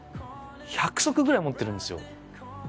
１００足ぐらい持ってるんですよ。